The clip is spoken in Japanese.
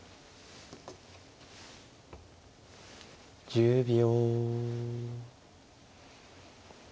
１０秒。